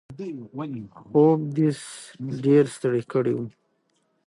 خوب دی ډېر ستړی کړی و.